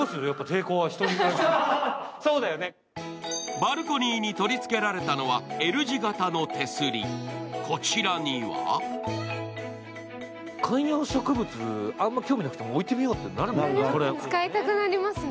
バルコニーに取り付けられたのはＬ字型の手すり、こちらには観葉植物、あんまり興味なくても置いてみようってなるもんね。